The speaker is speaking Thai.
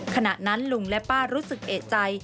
ขณะนั้นลุงและป้ารู้สึกเอกใจ